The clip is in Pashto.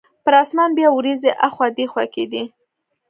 پر اسمان بیا وریځې اخوا دیخوا کیدې.